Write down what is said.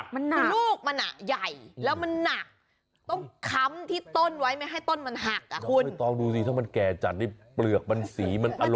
มันหนักมันหนักมันหนักมันหนักมันหนักมันหนักมันหนัก